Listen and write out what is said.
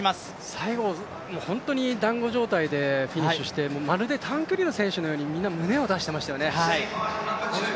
最後、本当にだんご状態でフィニッシュしてまるで短距離の選手のように、みんな胸を出していましたね。